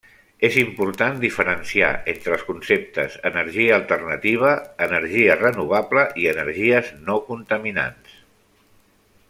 És important diferenciar entre els conceptes energia alternativa, energia renovable i energies no contaminants.